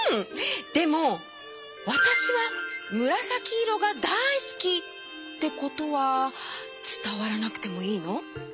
でも「わたしはむらさきいろがだいすき」ってことはつたわらなくてもいいの？